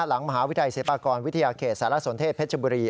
หลังมหาวิทยาลัยศิลปากรวิทยาเขตสารสนเทศเพชรบุรี